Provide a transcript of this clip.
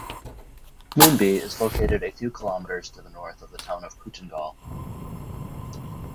Moonbi is located a few kilometres to the north of the town of Kootingal.